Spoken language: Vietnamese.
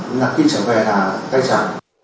nhưng mà khi trở về là tay trả